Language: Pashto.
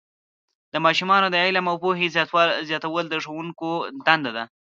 د ماشومانو د علم او پوهې زیاتول د ښوونکو دنده ده.